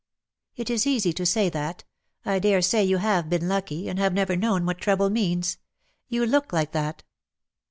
"It is easy to say that. I daresay you have been lucky, and have never known what trouble means. You look like that."